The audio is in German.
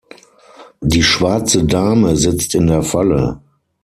Die schwarze Dame sitzt in der Falle.